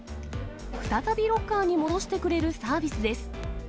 再びロッカーに戻してくれるサービスです。